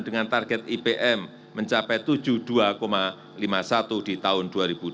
dengan target ipm mencapai tujuh puluh dua lima puluh satu di tahun dua ribu dua puluh